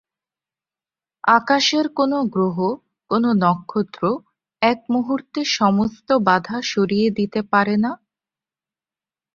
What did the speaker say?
আকাশের কোনো গ্রহ, কোনো নক্ষত্র এক মুহূর্তে সমস্ত বাধা সরিয়ে দিতে পারে না?